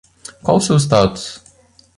Qual o seu status?